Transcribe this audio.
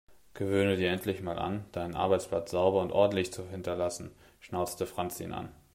Gewöhne dir endlich mal an, deinen Arbeitsplatz sauber und ordentlich zu hinterlassen, schnauzte Franz ihn an.